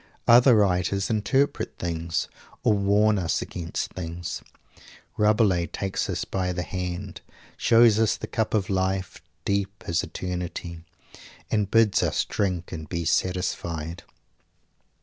Other writers interpret things, or warn us against things. Rabelais takes us by the hand, shows us the cup of life, deep as eternity, and bids us drink and be satisfied.